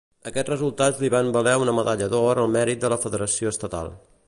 Aquests resultats li van valer una Medalla d'Or al mèrit de la federació estatal.